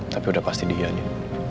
tapi udah pasti dia aja